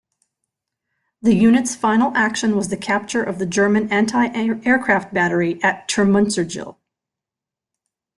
The unit's final action was the capture of the German anti-aircraft battery at Termunterzijl.